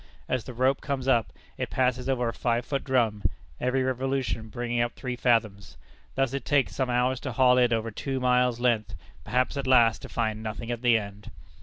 As the rope comes up, it passes over a five foot drum, every revolution bringing up three fathoms. Thus it takes some hours to haul in over two miles' length, perhaps at last to find nothing at the end!